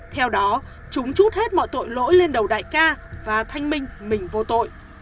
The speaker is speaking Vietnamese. theo đó trúng trút hết mọi tội lỗi lên đầu đại ca và thanh minh mình vô tội